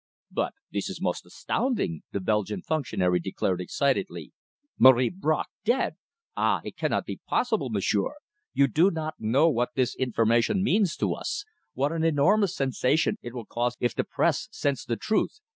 "But this is most astounding," the Belgian functionary declared excitedly. "Marie Bracq dead! Ah! it cannot be possible, m'sieur! You do not know what this information means to us what an enormous sensation it will cause if the press scents the truth.